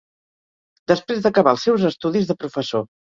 Després d'acabar els seus estudis de professor.